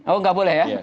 oh tidak boleh ya